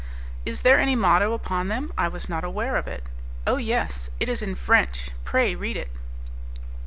"Is there any motto upon them? I was not aware of it." "Oh, yes! it is in French; pray read it."